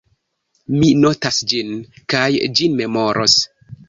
Mi notas ĝin, kaj ĝin memoros.